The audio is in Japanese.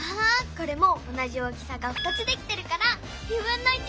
これもおなじ大きさが２つできてるからだね！